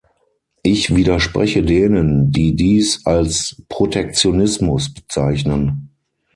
Ich widerspreche denen, die dies als Protektionismus bezeichnen.